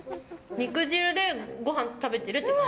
肉汁でご飯食べてるって感じ。